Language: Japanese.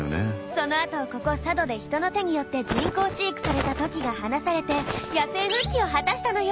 その後ここ佐渡で人の手によって人工飼育されたトキが放されて野生復帰を果たしたのよ。